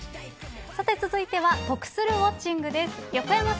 さて、続いては得するウォッチング！です。